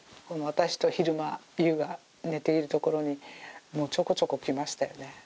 私と昼間佑が寝ているところにもうちょこちょこ来ましたよね。